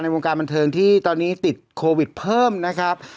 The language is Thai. วงการบันเทิงที่ตอนนี้ติดโควิดเพิ่มนะครับ